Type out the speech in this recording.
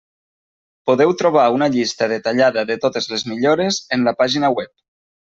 Podeu trobar una llista detallada de totes les millores en la pàgina web.